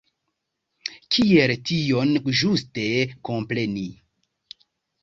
Kiel tion ĝuste kompreni?